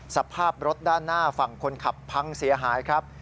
สภาพรถด้านหน้าฝั่งคนขับพังเสียหายครับ